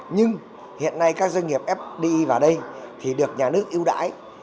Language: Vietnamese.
nhưng hiện nay các doanh nghiệp fdi vào đây thì được nhà nước ưu đãi